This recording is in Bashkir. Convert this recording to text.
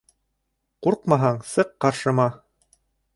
Ҡурҡмаһаң, сыҡ ҡаршыма!